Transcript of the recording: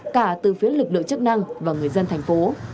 cả từ phía lực lượng chức năng và người dân thành phố